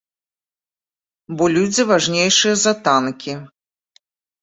Бо людзі важнейшыя за танкі.